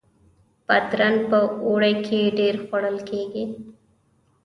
بادرنګ په اوړي کې ډیر خوړل کیږي